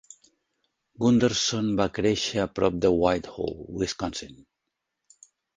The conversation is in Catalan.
Gunderson va créixer a prop de Whitehall (Wisconsin).